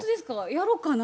やろっかな。